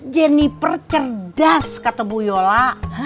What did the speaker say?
jennyper cerdas kata bu yola